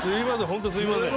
ホントすいません